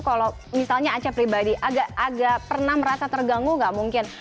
kalau misalnya aca pribadi agak pernah merasa terganggu gak mungkin